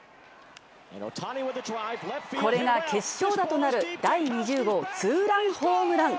これが決勝打となる第２０号ツーランホームラン。